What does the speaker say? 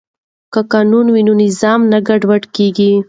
که قانون وي نو نظم نه ګډوډیږي.